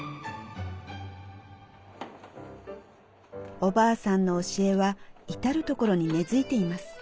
おばあさんの教えは至る所に根づいています。